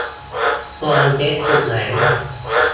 ควรเช็กจุดไหนบ้าง